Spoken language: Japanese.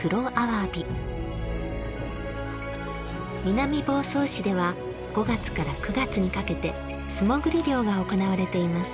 南房総市では５月から９月にかけて素潜り漁が行われています。